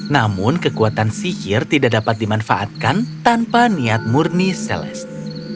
namun kekuatan sihir tidak dapat dimanfaatkan tanpa niat murni celesti